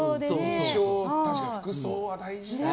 確かに服装は大事だよな。